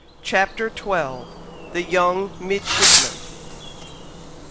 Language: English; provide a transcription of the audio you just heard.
CHAPTER XII. THE YOUNG MIDSHIPMAN.